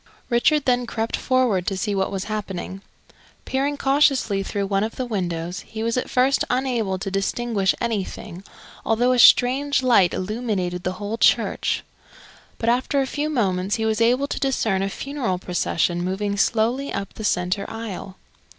Richard then crept forward to see what was happening. Peering cautiously through one of the windows, he was at first unable to distinguish anything, although a strange light illuminated the whole church. But after a few moments he was able to discern a funeral procession moving slowly up the centre aisle.